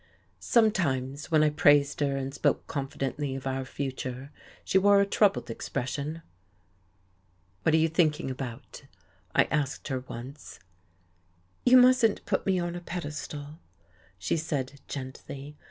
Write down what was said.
Sometimes, when I praised her and spoke confidently of our future, she wore a troubled expression. "What are you thinking about?" I asked her once. "You mustn't put me on a pedestal," she said gently.